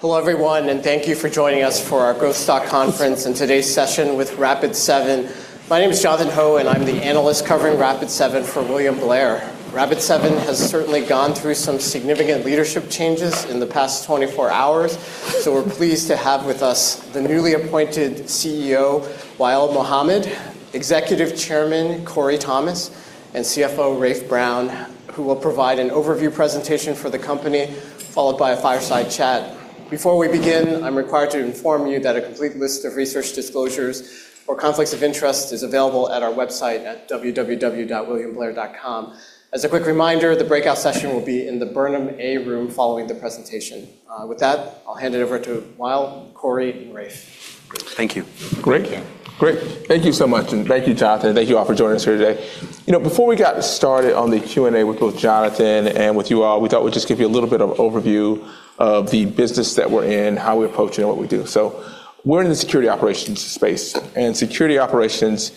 Hello, everyone, and thank you for joining us for our growth stock conference and today's session with Rapid7. My name is Jonathan Ho, and I'm the analyst covering Rapid7 for William Blair. Rapid7 has certainly gone through some significant leadership changes in the past 24 hours, so we're pleased to have with us the newly appointed CEO, Wael Mohamed, Executive Chairman, Corey Thomas, and CFO, Rafe Brown, who will provide an overview presentation for the company, followed by a fireside chat. Before we begin, I'm required to inform you that a complete list of research disclosures or conflicts of interest is available at our website at www.williamblair.com. As a quick reminder, the breakout session will be in the Burnham A room following the presentation. With that, I'll hand it over to Wael, Corey, and Rafe. Thank you. Great. Thank you so much. Thank you, Jonathan. Thank you all for joining us here today. Before we got started on the Q&A with both Jonathan and with you all, we thought we'd just give you a little bit of overview of the business that we're in, how we approach it, and what we do. We're in the security operations space. Security operations's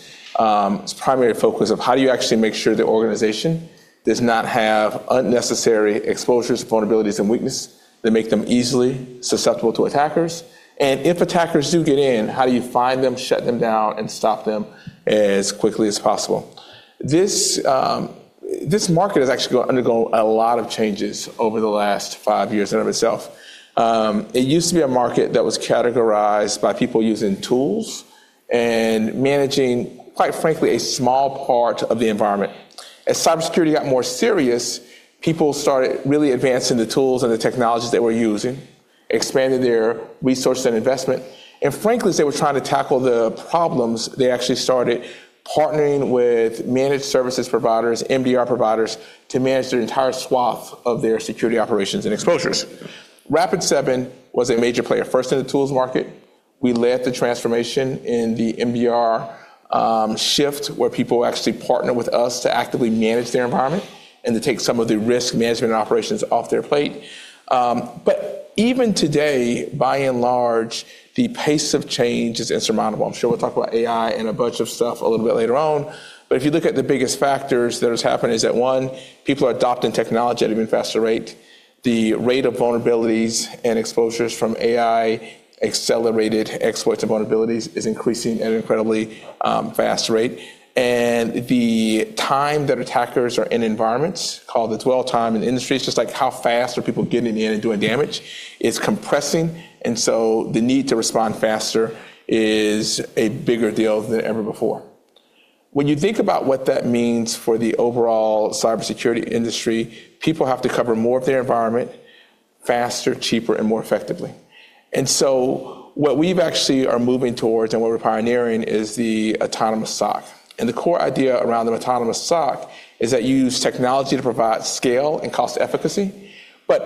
primary focus of how do you actually make sure the organization does not have unnecessary exposures, vulnerabilities, and weakness that make them easily susceptible to attackers. If attackers do get in, how do you find them, shut them down, and stop them as quickly as possible? This market has actually undergone a lot of changes over the last five years in of itself. It used to be a market that was categorized by people using tools and managing, quite frankly, a small part of the environment. As cybersecurity got more serious, people started really advancing the tools and the technologies they were using, expanding their resources and investment. Frankly, as they were trying to tackle the problems, they actually started partnering with managed services providers, MDR providers, to manage their entire swath of their security operations and exposures. Rapid7 was a major player, first in the tools market. We led the transformation in the MDR shift, where people actually partner with us to actively manage their environment and to take some of the risk management operations off their plate. Even today, by and large, the pace of change is insurmountable. I'm sure we'll talk about AI and a bunch of stuff a little bit later on, but if you look at the biggest factors that has happened is that, one, people are adopting technology at an even faster rate. The rate of vulnerabilities and exposures from AI, accelerated exploits and vulnerabilities is increasing at an incredibly fast rate. The time that attackers are in environments, called the dwell time in the industry, it's just like how fast are people getting in and doing damage, is compressing, and so the need to respond faster is a bigger deal than ever before. When you think about what that means for the overall cybersecurity industry, people have to cover more of their environment faster, cheaper, and more effectively. What we've actually are moving towards and what we're pioneering is the autonomous SOC. The core idea around an autonomous SOC is that you use technology to provide scale and cost efficacy.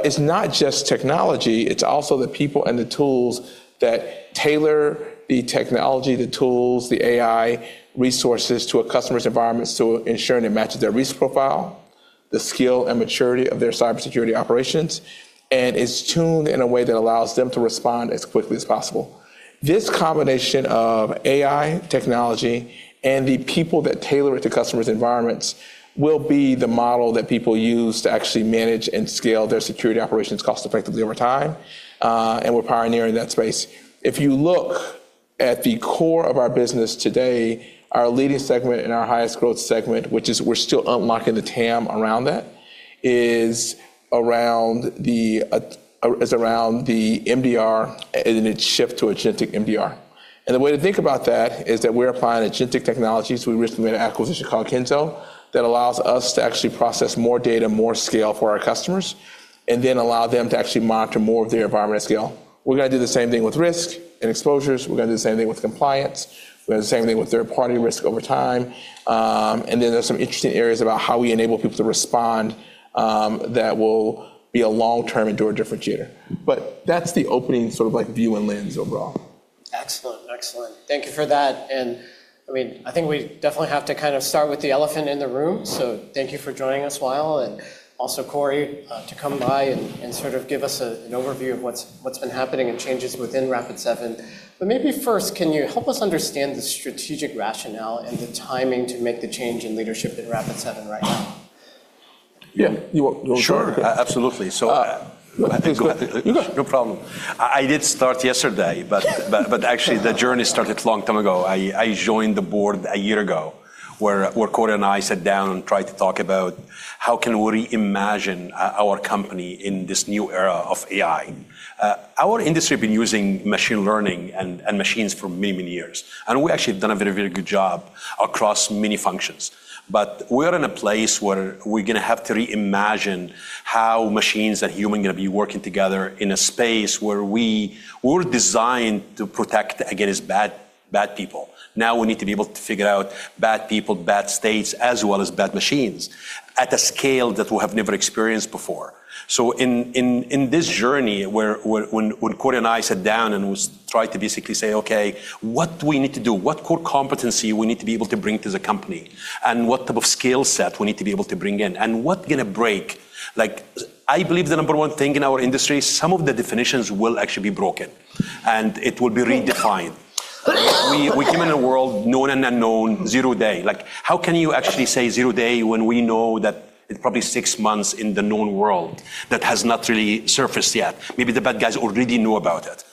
It's not just technology, it's also the people and the tools that tailor the technology, the tools, the AI resources to a customer's environment, so ensuring it matches their risk profile, the skill and maturity of their cybersecurity operations, and is tuned in a way that allows them to respond as quickly as possible. This combination of AI technology and the people that tailor it to customers' environments will be the model that people use to actually manage and scale their security operations cost effectively over time, and we're pioneering that space. If you look at the core of our business today, our leading segment and our highest growth segment, which is we're still unlocking the TAM around that, is around the MDR and its shift to a agentic MDR. The way to think about that is that we're applying agentic technologies. We recently made an acquisition called Kenzo that allows us to actually process more data, more scale for our customers, and then allow them to actually monitor more of their environment at scale. We're going to do the same thing with risk and exposures. We're going to do the same thing with compliance. We're going to do the same thing with third-party risk over time. Then there's some interesting areas about how we enable people to respond that will be a long-term and do a differentiator. That's the opening sort of view and lens overall. Excellent. Thank you for that. I think we definitely have to kind of start with the elephant in the room, so thank you for joining us, Wael, and also Corey, to come by and sort of give us an overview of what's been happening and changes within Rapid7. Maybe first, can you help us understand the strategic rationale and the timing to make the change in leadership at Rapid7 right now? Yeah. You want. Sure. Absolutely. No, go ahead. No problem. I did start yesterday, but actually the journey started a long time ago. I joined the board a year ago, where Corey and I sat down and tried to talk about how can we reimagine our company in this new era of AI. Our industry has been using machine learning and machines for many, many years, and we actually have done a very, very good job across many functions. We're in a place where we're going to have to reimagine how machines and humans are going to be working together in a space where we're designed to protect against bad people. Now we need to be able to figure out bad people, bad states, as well as bad machines at a scale that we have never experienced before. In this journey, when Corey and I sat down and tried to basically say, "Okay, what do we need to do? What core competency we need to be able to bring to the company, and what type of skill set we need to be able to bring in, and what's going to break?" I believe the number one thing in our industry, some of the definitions will actually be broken. It will be redefined. We came in a world known and unknown, zero-day. How can you actually say zero-day when we know that it's probably 6 months in the known world that has not really surfaced yet? Maybe the bad guys already know about it.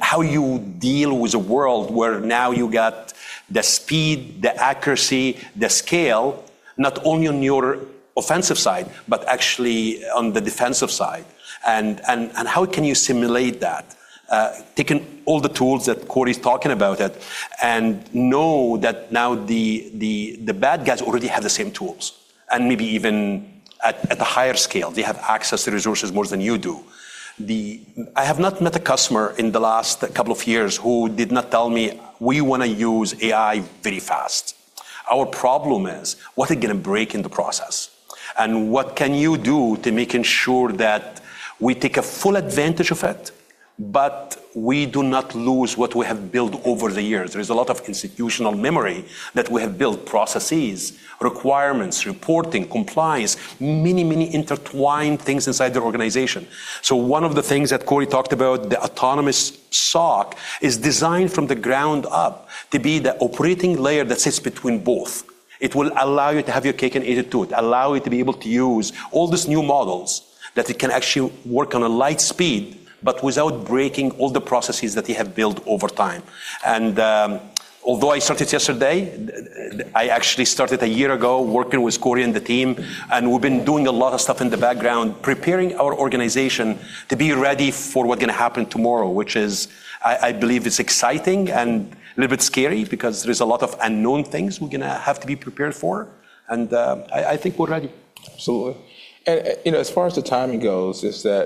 How you deal with a world where now you got the speed, the accuracy, the scale, not only on your offensive side, but actually on the defensive side. How can you simulate that? Taking all the tools that Corey's talking about it and know that now the bad guys already have the same tools, and maybe even at a higher scale. They have access to resources more than you do. I have not met a customer in the last couple of years who did not tell me, "We want to use AI very fast." Our problem is what is going to break in the process, and what can you do to make sure that we take a full advantage of it, but we do not lose what we have built over the years? There is a lot of institutional memory that we have built, processes, requirements, reporting, compliance, many, many intertwined things inside the organization. One of the things that Corey talked about, the autonomous SOC, is designed from the ground up to be the operating layer that sits between both. It will allow you to have your cake and eat it too, it allow you to be able to use all these new models that it can actually work on a light speed, but without breaking all the processes that you have built over time. Although I started yesterday, I actually started a year ago working with Corey and the team, and we've been doing a lot of stuff in the background, preparing our organization to be ready for what's going to happen tomorrow, which is, I believe, is exciting and a little bit scary because there is a lot of unknown things we're going to have to be prepared for. I think we're ready. Absolutely. As far as the timing goes is that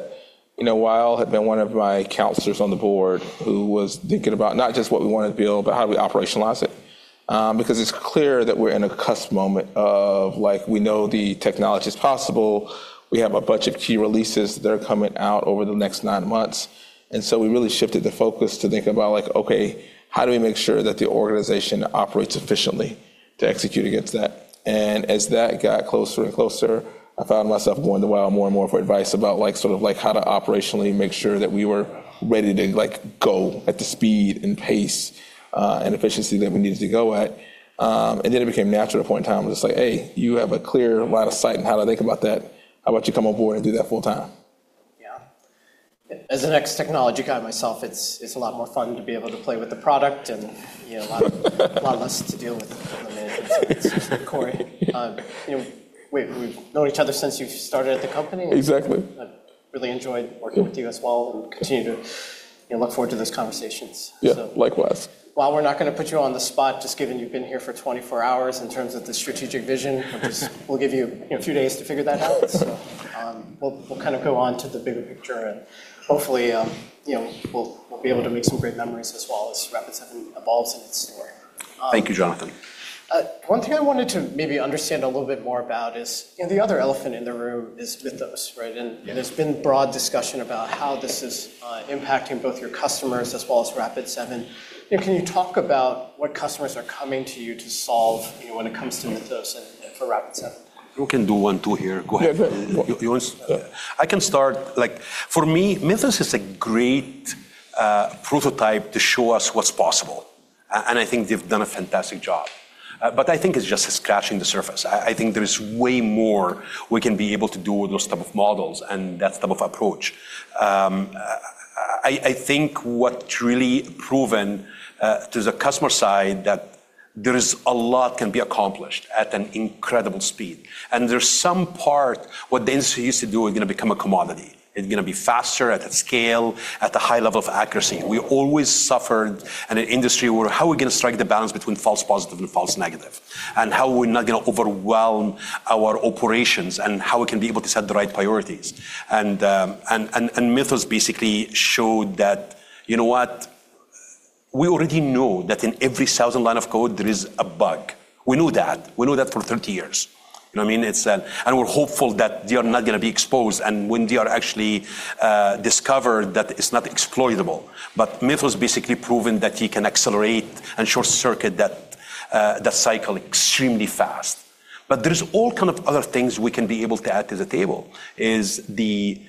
Wael had been one of my counselors on the board who was thinking about not just what we wanted to build, but how do we operationalize it. It's clear that we're in a cusp moment of we know the technology's possible. We have a bunch of key releases that are coming out over the next nine months. We really shifted the focus to think about, okay, how do we make sure that the organization operates efficiently to execute against that? As that got closer and closer, I found myself going to Wael more and more for advice about how to operationally make sure that we were ready to go at the speed and pace, and efficiency that we needed to go at. Then it became natural at a point in time where it's like, "Hey, you have a clear line of sight on how to think about that. How about you come on board and do that full time. Yeah. As an ex technology guy myself, it's a lot more fun to be able to play with the product a lot less to deal with the management side, especially with Corey. We've known each other since you started at the company. Exactly. I've really enjoyed working with you as well, and continue to look forward to those conversations. Yeah, likewise. Wael we're not going to put you on the spot, just given you've been here for 24 hours in terms of the strategic vision, we'll give you a few days to figure that out. We'll go on to the bigger picture and hopefully, we'll be able to make some great memories as well as Rapid7 evolves in its story. Thank you, Jonathan. One thing I wanted to maybe understand a little bit more about is, the other elephant in the room is Mythos, right? Yeah. There's been broad discussion about how this is impacting both your customers as well as Rapid7. Can you talk about what customers are coming to you to solve when it comes to Mythos and for Rapid7? We can do one, two here. Go ahead. Yeah, go ahead. You want to. Yeah. I can start. For me, Mythos is a great prototype to show us what's possible, and I think they've done a fantastic job. I think it's just scratching the surface. I think there is way more we can be able to do with those type of models and that type of approach. I think what's really proven to the customer side that there is a lot can be accomplished at an incredible speed. There's some part what the industry used to do is going to become a commodity. It's going to be faster, at a scale, at a high level of accuracy. We always suffered in an industry where how are we going to strike the balance between false positive and false negative? How are we not going to overwhelm our operations, and how we can be able to set the right priorities. Mythos basically showed that, you know what? We already know that in every 1,000 line of code, there is a bug. We know that. We know that for 30 years. You know what I mean? We're hopeful that they are not going to be exposed, and when they are actually discovered, that it's not exploitable. Mythos basically proven that you can accelerate and short-circuit that cycle extremely fast. There is all kind of other things we can be able to add to the table, is the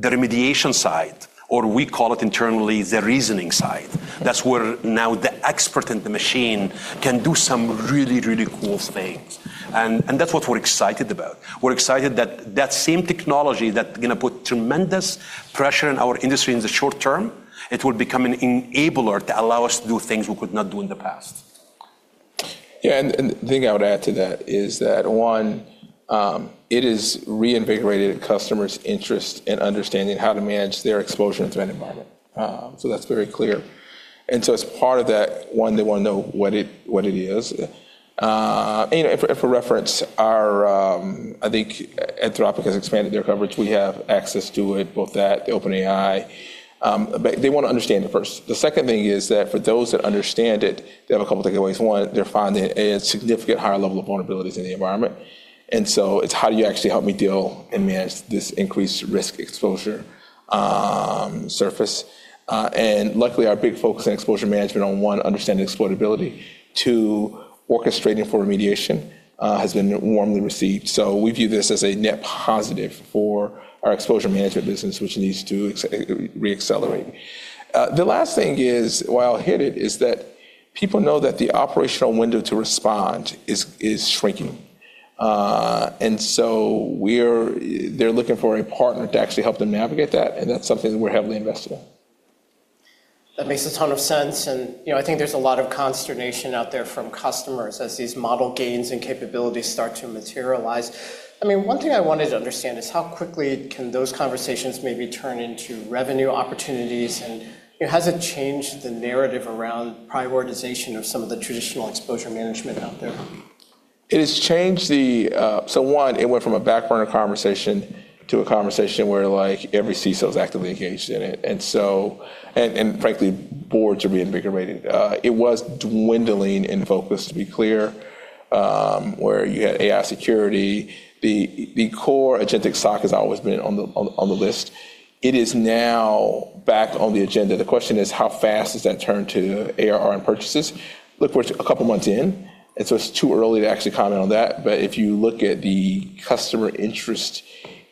remediation side, or we call it internally the reasoning side. That's where now the expert and the machine can do some really, really cool things. That's what we're excited about. We're excited that that same technology that's going to put tremendous pressure on our industry in the short term, it will become an enabler to allow us to do things we could not do in the past. The thing I would add to that is that, one, it has reinvigorated customers' interest in understanding how to manage their exposure and threat environment. That's very clear. As part of that, one, they want to know what it is. For reference, I think Anthropic has expanded their coverage. We have access to it, both that, the OpenAI. They want to understand it first. The second thing is that for those that understand it, they have a couple of takeaways. One, they're finding a significant higher level of vulnerabilities in the environment. It's how do you actually help me deal and manage this increased risk exposure surface. Luckily, our big focus on exposure management on, one, understanding exploitability, two, orchestrating for remediation, has been warmly received. We view this as a net positive for our exposure management business, which needs to re-accelerate. The last thing is, Wael hit it. People know that the operational window to respond is shrinking. They're looking for a partner to actually help them navigate that, and that's something that we're heavily invested in. That makes a ton of sense. I think there's a lot of consternation out there from customers as these model gains and capabilities start to materialize. One thing I wanted to understand is how quickly can those conversations maybe turn into revenue opportunities, and has it changed the narrative around prioritization of some of the traditional exposure management out there? One, it went from a back burner conversation to a conversation where every CISO is actively engaged in it. Frankly, boards are being invigorated. It was dwindling in focus, to be clear, where you had AI security. The core agentic SOC has always been on the list. It is now back on the agenda. The question is, how fast does that turn to ARR and purchases? Look, we're a couple of months in, and so it's too early to actually comment on that. If you look at the customer interest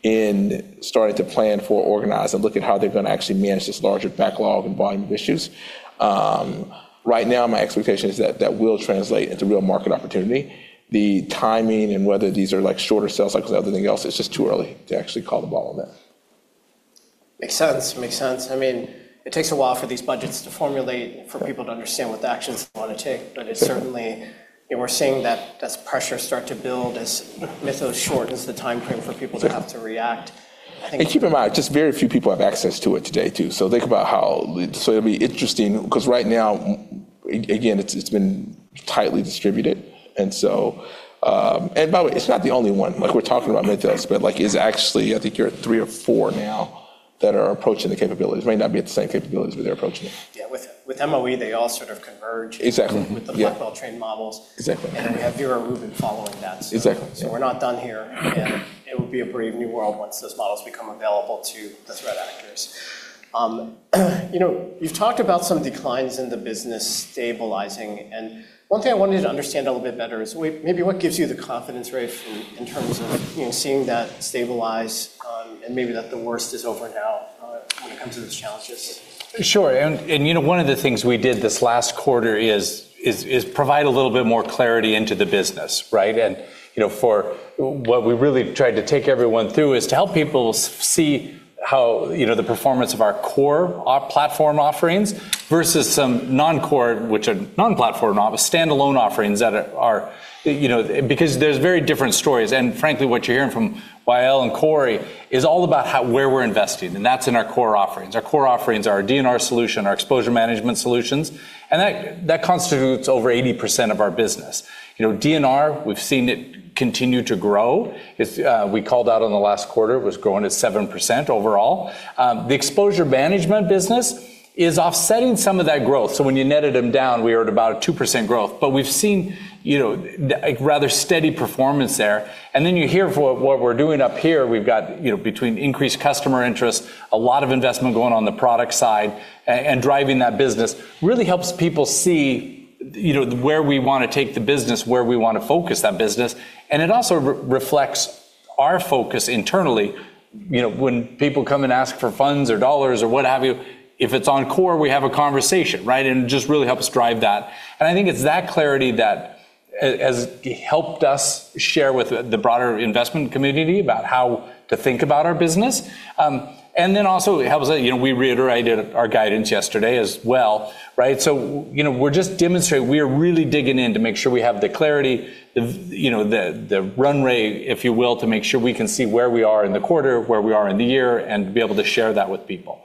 in starting to plan for organize and look at how they're going to actually manage this larger backlog and volume of issues, right now my expectation is that that will translate into real market opportunity. The timing and whether these are shorter sales cycles or everything else, it's just too early to actually call the ball on that. Makes sense. It takes a while for these budgets to formulate and for people to understand what the actions they want to take. Certainly, we're seeing that pressure start to build as Mythic shortens the timeframe for people to have to react, I think. Keep in mind, just very few people have access to it today, too. It'll be interesting because right now, again, it's been tightly distributed. By the way, it's not the only one. We're talking about Mythic, but it's actually, I think you're at three or four now that are approaching the capabilities. It might not be at the same capabilities, but they're approaching it. Yeah. With MoE, they all sort of converge. Exactly with the large model trained models. Exactly. We have Vera Rubin following that. Exactly. We're not done here, and it will be a brave new world once those models become available to the threat actors. You've talked about some declines in the business stabilizing, and one thing I wanted to understand a little bit better is maybe what gives you the confidence, Rafe, in terms of seeing that stabilize and maybe that the worst is over now when it comes to these challenges? Sure. One of the things we did this last quarter is provide a little bit more clarity into the business, right? For what we really tried to take everyone through is to help people see how the performance of our core platform offerings versus some non-core, which are non-platform, standalone offerings that are Because there's very different stories. Frankly, what you're hearing from Wael and Corey is all about where we're investing, and that's in our core offerings. Our core offerings, our D&R solution, our exposure management solutions, and that constitutes over 80% of our business. D&R, we've seen it continue to grow. We called out on the last quarter, it was growing at 7% overall. The exposure management business is offsetting some of that growth. When you netted them down, we were at about a 2% growth. We've seen a rather steady performance there. You hear what we're doing up here. We've got between increased customer interest, a lot of investment going on the product side, and driving that business, really helps people see where we want to take the business, where we want to focus that business. It also reflects our focus internally. When people come and ask for funds or dollars or what have you, if it's on core, we have a conversation, right? It just really helps drive that. I think it's that clarity that has helped us share with the broader investment community about how to think about our business. Also, we reiterated our guidance yesterday as well, right? We're just demonstrating, we are really digging in to make sure we have the clarity, the run rate, if you will, to make sure we can see where we are in the quarter, where we are in the year, and to be able to share that with people.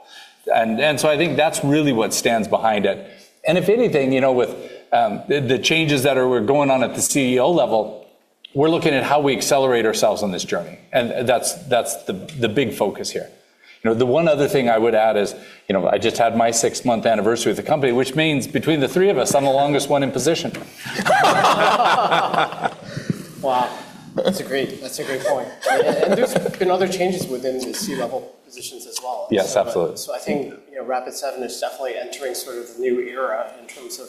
I think that's really what stands behind it. If anything, with the changes that are going on at the CEO level, we're looking at how we accelerate ourselves on this journey. That's the big focus here. The one other thing I would add is, I just had my six-month anniversary with the company, which means between the three of us, I'm the longest one in position. Wow. That's a great point, right? There's been other changes within the C-level positions as well. Yes, absolutely. I think Rapid7 is definitely entering a new era in terms of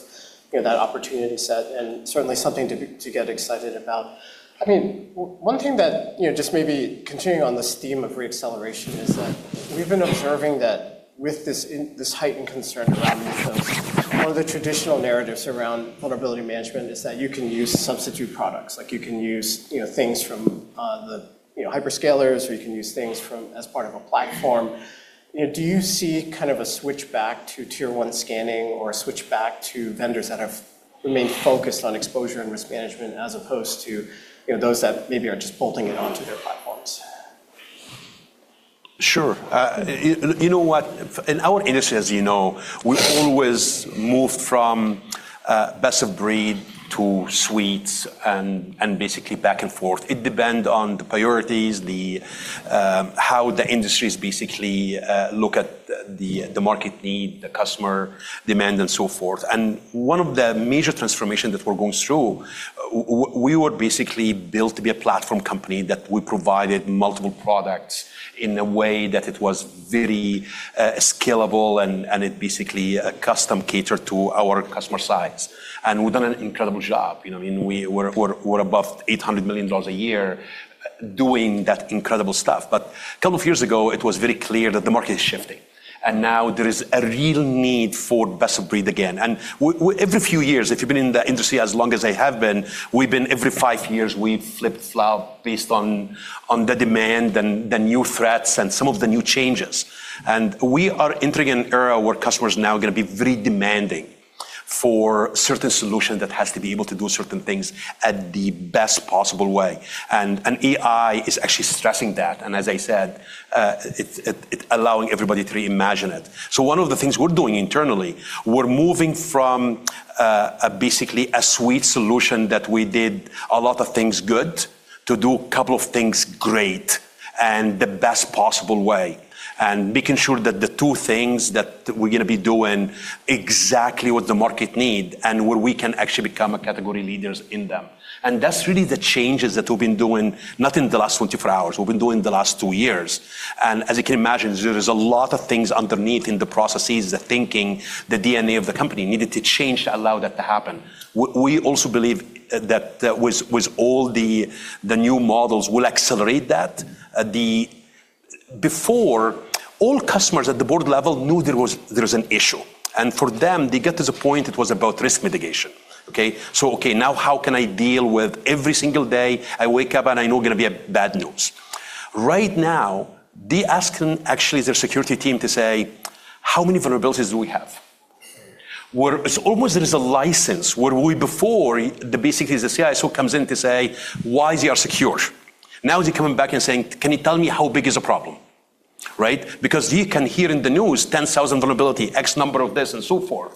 that opportunity set, and certainly something to get excited about. One thing that just maybe continuing on this theme of re-acceleration is that we've been observing that with this heightened concern around Mythic, one of the traditional narratives around vulnerability management is that you can use substitute products. You can use things from the hyperscalers, or you can use things as part of a platform. Do you see a switch back to Tier 1 scanning or a switch back to vendors that have remained focused on exposure and risk management, as opposed to those that maybe are just bolting it onto their platforms? Sure. You know what? In our industry, as you know, we always moved from best-of-breed to suites and basically back and forth. It depend on the priorities, how the industries basically look at the market need, the customer demand, and so forth. One of the major transformation that we're going through, we were basically built to be a platform company that we provided multiple products in a way that it was very scalable, and it basically custom catered to our customer size. We've done an incredible job. We're above $800 million a year Doing that incredible stuff. A couple of years ago, it was very clear that the market is shifting, and now there is a real need for best-of-breed again. Every few years, if you've been in the industry as long as I have been, every five years, we flip-flop based on the demand and the new threats and some of the new changes. We are entering an era where customers are now going to be very demanding for certain solutions that has to be able to do certain things at the best possible way. AI is actually stressing that, and as I said, it's allowing everybody to reimagine it. One of the things we're doing internally, we're moving from basically a suite solution that we did a lot of things good, to do a couple of things great and the best possible way, and making sure that the two things that we're going to be doing exactly what the market needs and where we can actually become category leaders in them. That's really the changes that we've been doing, not in the last 24 hours, we've been doing the last two years. As you can imagine, there is a lot of things underneath in the processes, the thinking, the DNA of the company, needed to change to allow that to happen. We also believe that with all the new models, we'll accelerate that. Before, all customers at the board level knew there was an issue. For them, they get to the point it was about risk mitigation. Now how can I deal with every single day I wake up and I know going to be bad news. Right now, they asking actually their security team to say, "How many vulnerabilities do we have?" It's almost there is a license where we before, basically the CSO comes in to say, "Why is your security?" He's coming back and saying, "Can you tell me how big is the problem?" Right? Because he can hear in the news 10,000 vulnerability, X number of this, and so forth.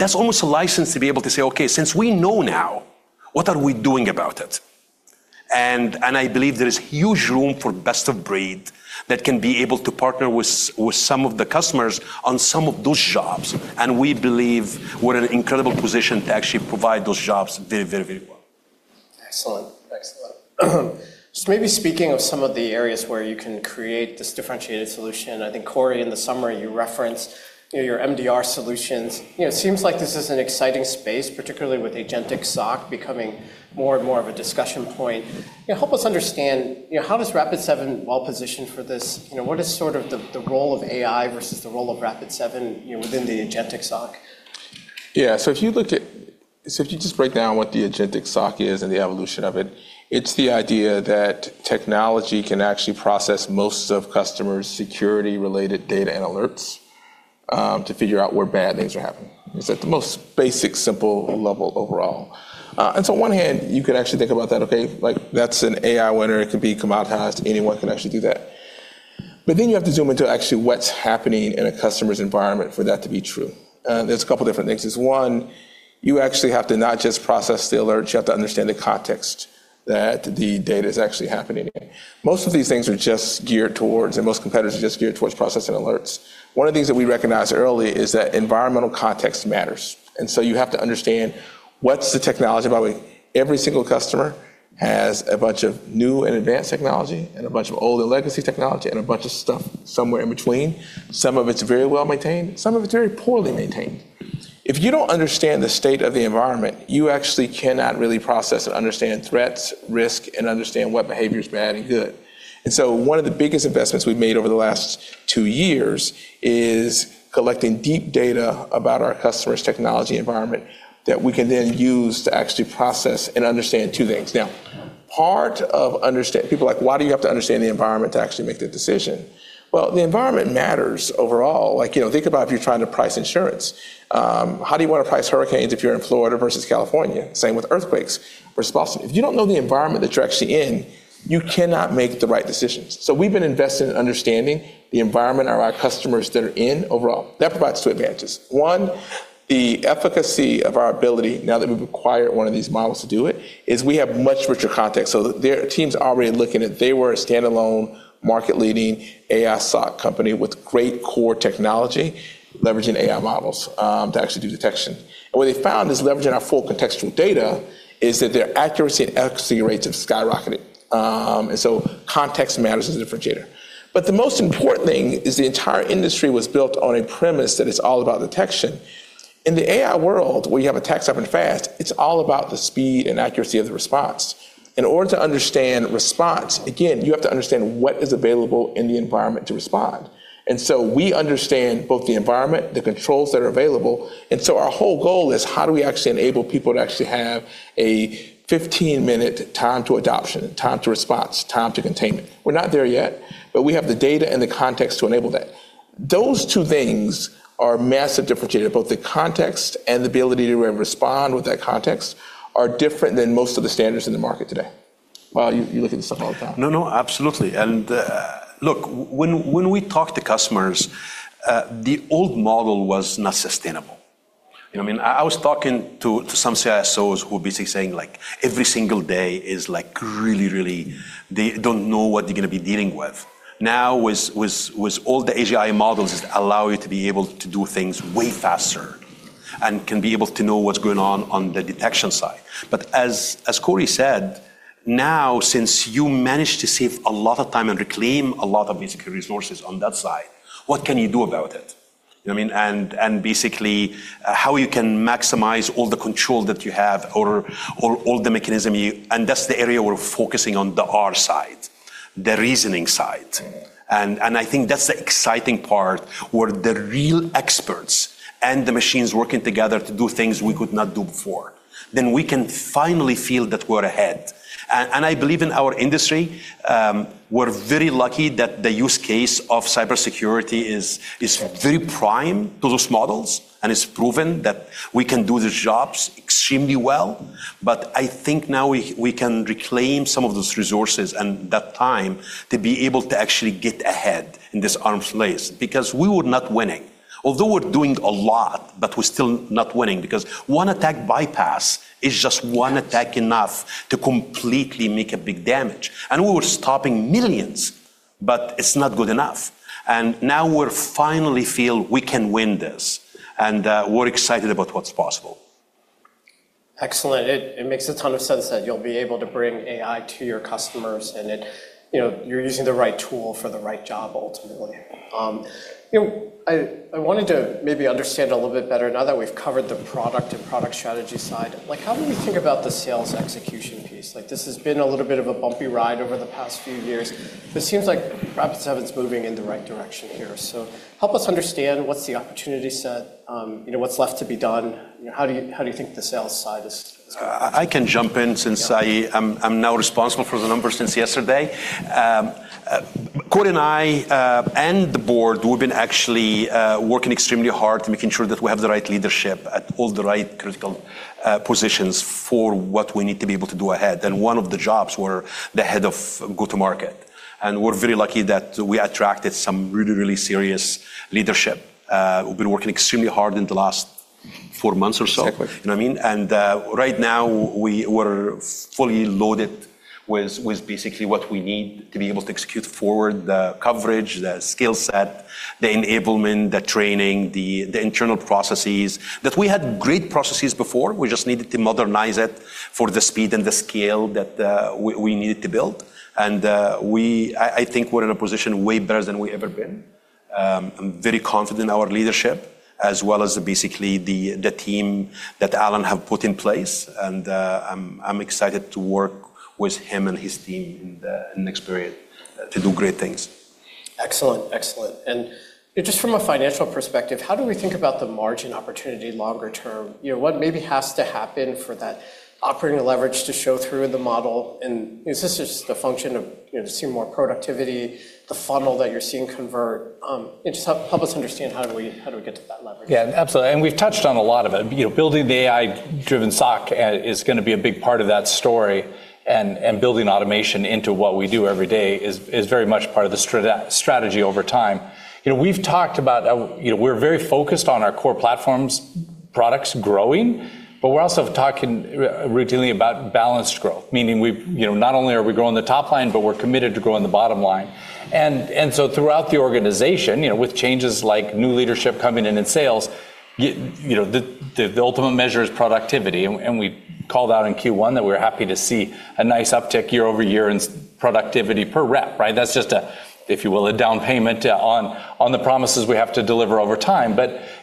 That's almost a license to be able to say, "Okay, since we know now, what are we doing about it?" I believe there is huge room for best-of-breed that can be able to partner with some of the customers on some of those jobs. We believe we're in an incredible position to actually provide those jobs very well. Excellent. Maybe speaking of some of the areas where you can create this differentiated solution, I think, Corey, in the summary, you referenced your MDR solutions. It seems like this is an exciting space, particularly with agentic SOC becoming more and more of a discussion point. Help us understand, how is Rapid7 well-positioned for this? What is sort of the role of AI versus the role of Rapid7 within the agentic SOC? Yeah. If you just break down what the agentic SOC is and the evolution of it's the idea that technology can actually process most of customers' security-related data and alerts, to figure out where bad things are happening. It's at the most basic, simple level overall. On one hand, you could actually think about that, okay, that's an AI winner. It could be commoditized. Anyone can actually do that. You have to zoom into actually what's happening in a customer's environment for that to be true. There's a couple different things. There's one, you actually have to not just process the alerts, you have to understand the context that the data is actually happening in. Most of these things are just geared towards, and most competitors are just geared towards processing alerts. One of the things that we recognized early is that environmental context matters. You have to understand what's the technology. By the way, every single customer has a bunch of new and advanced technology and a bunch of old and legacy technology and a bunch of stuff somewhere in between. Some of it's very well-maintained. Some of it's very poorly maintained. If you don't understand the state of the environment, you actually cannot really process or understand threats, risk, and understand what behavior is bad and good. One of the biggest investments we've made over the last two years is collecting deep data about our customers' technology environment that we can then use to actually process and understand two things. Now, part of understanding, people are like, "Why do you have to understand the environment to actually make the decision?" Well, the environment matters overall. Think about if you're trying to price insurance. How do you want to price hurricanes if you're in Florida versus California? Same with earthquakes. If you don't know the environment that you're actually in, you cannot make the right decisions. We've been invested in understanding the environment our customers that are in overall. That provides two advantages. One, the efficacy of our ability, now that we've acquired one of these models to do it, is we have much richer context. Their team's already looking at they were a standalone market-leading AI SOC company with great core technology leveraging AI models to actually do detection. What they found is leveraging our full contextual data is that their accuracy and efficacy rates have skyrocketed. Context matters as a differentiator. The most important thing is the entire industry was built on a premise that it's all about detection. In the AI world, where you have attacks happen fast, it's all about the speed and accuracy of the response. In order to understand response, again, you have to understand what is available in the environment to respond. We understand both the environment, the controls that are available, and so our whole goal is how do we actually enable people to actually have a 15-minute time to adoption, time to response, time to containment? We're not there yet. We have the data and the context to enable that. Those two things are massive differentiators. Both the context and the ability to respond with that context are different than most of the standards in the market today. Wael, you look at this stuff all the time. No, absolutely. Look, when we talk to customers, the old model was not sustainable. I was talking to some CSOs who are basically saying, every single day is like really. They don't know what they're going to be dealing with. Now, with all the AGI models allow you to be able to do things way faster and can be able to know what's going on on the detection side. As Corey said, now, since you managed to save a lot of time and reclaim a lot of basically resources on that side, what can you do about it? You know what I mean? Basically, how you can maximize all the control that you have or all the mechanism. That's the area we're focusing on, the R side, the reasoning side. I think that's the exciting part, where the real experts and the machines working together to do things we could not do before, then we can finally feel that we're ahead. I believe in our industry, we're very lucky that the use case of cybersecurity is very prime to those models, and it's proven that we can do these jobs extremely well. I think now we can reclaim some of those resources and that time to be able to actually get ahead in this arms race. Because we were not winning, although we're doing a lot, but we're still not winning because one attack bypass is just one attack enough to completely make a big damage. We were stopping millions, but it's not good enough. Now we're finally feel we can win this, and we're excited about what's possible. Excellent. It makes a ton of sense that you'll be able to bring AI to your customers and you're using the right tool for the right job, ultimately. I wanted to maybe understand a little bit better now that we've covered the product and product strategy side. How do you think about the sales execution piece? It seems like Rapid7's moving in the right direction here. Help us understand what's the opportunity set, what's left to be done. How do you think the sales side is going to do? I can jump in since I am now responsible for the numbers since yesterday. Corey and I, and the board, we've been actually working extremely hard making sure that we have the right leadership at all the right critical positions for what we need to be able to do ahead. One of the jobs were the head of go-to-market. We're very lucky that we attracted some really, really serious leadership, who've been working extremely hard in the last four months or so. Exactly. You know what I mean? Right now, we were fully loaded with basically what we need to be able to execute forward the coverage, the skill set, the enablement, the training, the internal processes. That we had great processes before, we just needed to modernize it for the speed and the scale that we needed to build. I think we're in a position way better than we've ever been. I'm very confident in our leadership as well as basically the team that Allan have put in place, and I'm excited to work with him and his team in the next period to do great things. Excellent. Just from a financial perspective, how do we think about the margin opportunity longer term? What maybe has to happen for that operating leverage to show through in the model? Is this just a function of seeing more productivity, the funnel that you're seeing convert? Just help us understand how do we get to that leverage. Yeah, absolutely. We've touched on a lot of it. Building the AI-driven SOC is going to be a big part of that story. Building automation into what we do every day is very much part of the strategy over time. We're very focused on our core platforms products growing, but we're also talking routinely about balanced growth, meaning not only are we growing the top line, but we're committed to growing the bottom line. Throughout the organization, with changes like new leadership coming in in sales, the ultimate measure is productivity, and we called out in Q1 that we're happy to see a nice uptick year-over-year in productivity per rep. That's just, if you will, a down payment on the promises we have to deliver over time.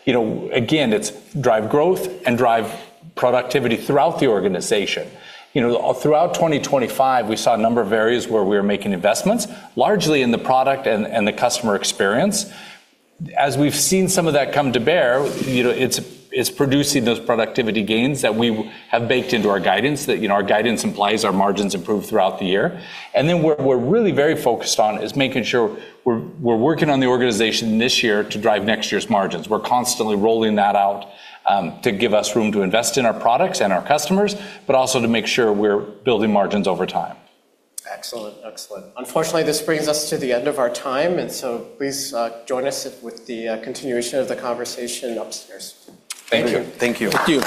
Again, it's drive growth and drive productivity throughout the organization. Throughout 2025, we saw a number of areas where we were making investments, largely in the product and the customer experience. As we've seen some of that come to bear, it's producing those productivity gains that we have baked into our guidance. Our guidance implies our margins improve throughout the year. What we're really very focused on is making sure we're working on the organization this year to drive next year's margins. We're constantly rolling that out to give us room to invest in our products and our customers, but also to make sure we're building margins over time. Excellent. Unfortunately, this brings us to the end of our time, please join us with the continuation of the conversation upstairs. Thank you. Thank you.